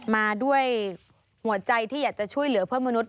มาด้วยหัวใจที่อยากจะช่วยเหลือเพื่อนมนุษย